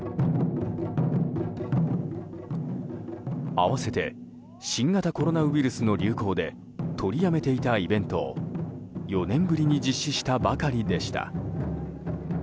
合わせて新型コロナウイルスの流行で取りやめていたイベントを４年ぶりに実施したばかりでした。